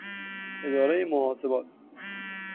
ادارهُ محاسبات